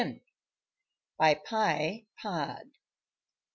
BY PYE POD.